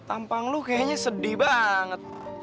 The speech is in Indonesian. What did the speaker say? tampang lu kayaknya sedih banget